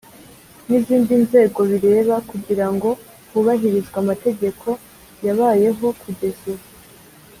n izindi Nzego bireba kugira ngo hubahirizwe amategeko yabayeho kugeza ubu